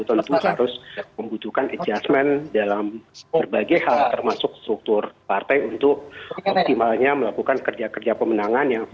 tentu harus membutuhkan adjustment dalam berbagai hal termasuk struktur partai untuk optimalnya melakukan kerja kerja pemenangan